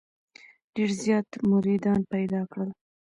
ډېر زیات مریدان پیدا کړل.